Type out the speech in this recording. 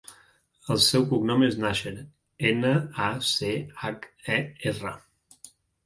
El seu cognom és Nacher: ena, a, ce, hac, e, erra.